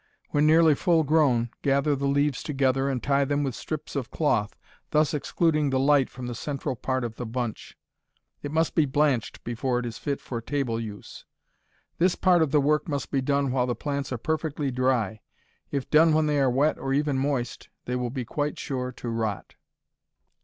When nearly full grown, gather the leaves together and tie them with strips of cloth, thus excluding the light from the central part of the bunch. It must be blanched before it is fit for table use. This part of the work must be done while the plants are perfectly dry. If done when they are wet or even moist, they will be quite sure to rot.